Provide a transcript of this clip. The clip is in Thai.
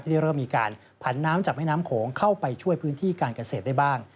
ได้เริ่มมีการผันน้ำจากแม่น้ำโขงเข้าไปช่วยพื้นที่การเกษตรได้บ้าง